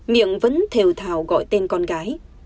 miệng vẫn thèo thào gọi tên con gái